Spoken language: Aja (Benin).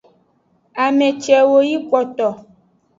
Ame cewo yi kpoto.